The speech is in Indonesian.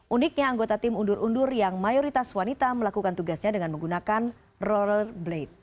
uniknya anggota tim undur undur yang mayoritas wanita melakukan tugasnya dengan menggunakan ror blade